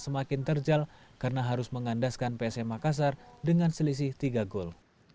semakin terjal karena harus mengandaskan psm makassar dengan selisih tiga gol